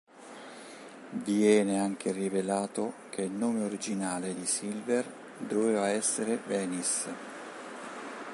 Viene anche rivelato che il nome originale di Silver doveva essere Venice.